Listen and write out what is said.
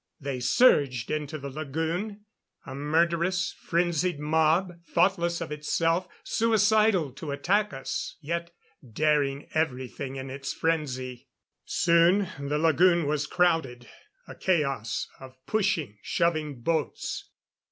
They surged into the lagoon. A murderous, frenzied mob thoughtless of itself, suicidal to attack us, yet daring everything in its frenzy. Soon the lagoon was crowded a chaos of pushing, shoving boats.